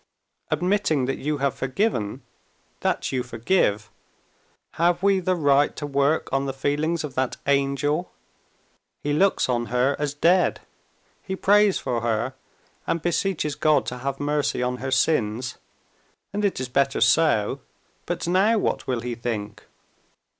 Admitting that you have forgiven—that you forgive—have we the right to work on the feelings of that angel? He looks on her as dead. He prays for her, and beseeches God to have mercy on her sins. And it is better so. But now what will he think?"